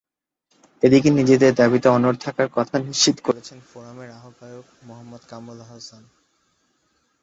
এদিকে নিজেদের দাবিতে অনড় থাকার কথা নিশ্চিত করেছেন ফোরামের আহ্বায়ক মুহাম্মদ কামরুল আহসান।